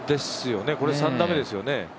これ３打目ですよね。